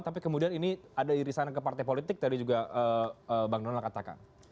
tapi kemudian ini ada irisan ke partai politik tadi juga bang donald katakan